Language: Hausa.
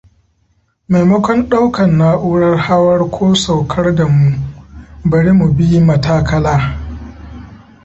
Maimakon ɗaukan nau'rar hawar ko saukar da mu, bari mu bi matakala.